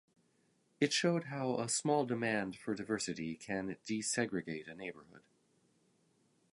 It showed how a small demand for diversity can desegregate a neighborhood.